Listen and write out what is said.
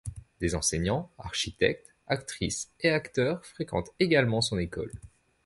Des enseignants, architectes, actrices et acteurs fréquentent également son école.